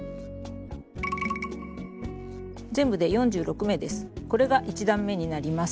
全部で４６目です。